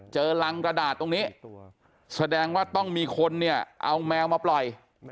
เจอรังกระดาษตรงนี้แสดงว่าต้องมีคนเนี่ยเอาแมวมาปล่อย